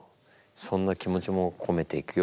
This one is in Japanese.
そんな気持ちも込めていくよ。